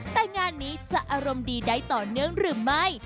แต่งานนี้จะอารมณ์ดีได้ต่อเนื่องหรือไม่